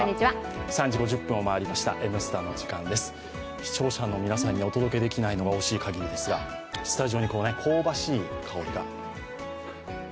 視聴者の皆さんにお届けできないのが惜しいかぎりですがスタジオに香ばしい香りが。